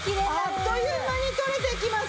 あっという間に取れていきますよ。